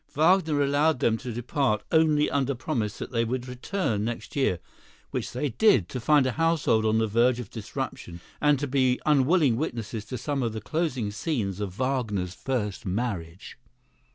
Wagner allowed them to depart only under promise that they would return next year, which they did, to find a household on the verge of disruption and to be unwilling witnesses to some of the closing scenes of Wagner's first marriage.